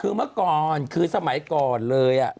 คือเมื่อก่อนคือสมัยก่อนเลย